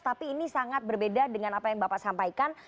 tapi ini sangat berbeda dengan apa yang bapak sampaikan